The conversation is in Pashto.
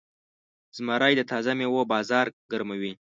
زمری د تازه میوو بازار ګرموي.